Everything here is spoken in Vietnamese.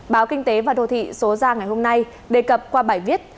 báo kinh tế và đô thị số ra ngày hôm nay đề cập qua bài viết